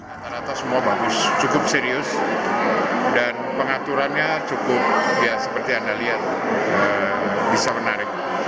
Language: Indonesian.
rata rata semua bagus cukup serius dan pengaturannya cukup ya seperti anda lihat bisa menarik